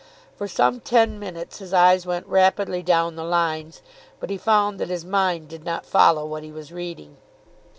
For some ten minutes his eyes went rapidly down the lines, but he found that his mind did not follow what he was reading.